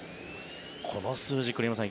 この数字、栗山さん